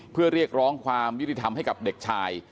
เพื่อเรียกร้องความยุติธรรมให้กับเด็กชาย